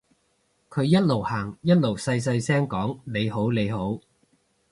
佢一路行一路細細聲講你好你好